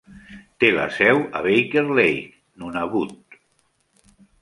Té la seu a Baker Lake (Nunavut).